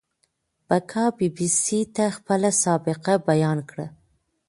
بکا بي بي سي ته خپله سابقه بيان کړه.